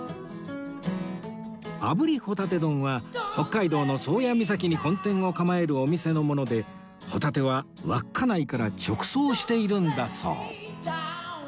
炙りホタテ丼は北海道の宗谷岬に本店を構えるお店のものでホタテは稚内から直送しているんだそう